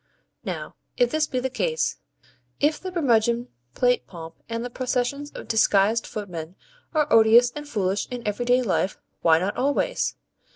Now, if this be the case; if the Brummagem plate pomp and the processions of disguised footmen are odious and foolish in everyday life, why not always?